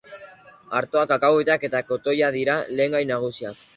Artoa, kakahueteak eta kotoia dira lehengai nagusiak.